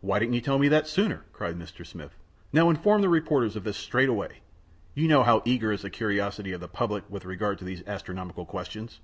"Why didn't you tell me that sooner?" cried Mr. Smith. "Now inform the reporters of this straightway. You know how eager is the curiosity of the public with regard to these astronomical questions.